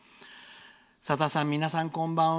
「さださん、皆さん、こんばんは。